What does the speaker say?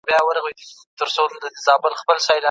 که زغم وي نو شخړه نه وي.